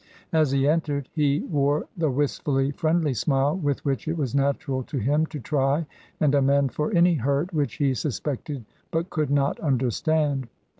As he entered, he wore the wistfully friendly smile with which it was natural to him to try and amend for any hurt which he suspected but could not understand.